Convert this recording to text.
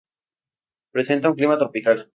Presenta un clima tropical.